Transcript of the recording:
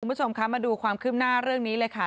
คุณผู้ชมคะมาดูความคืบหน้าเรื่องนี้เลยค่ะ